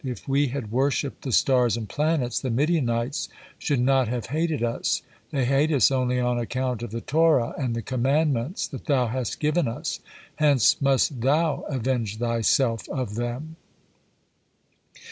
If we had worshipped the stars and planets, the Midianites should not have hated us, they hate us only on account of the Torah and the commandments that Thou hast given us, hence must Thou avenge Thyself of them."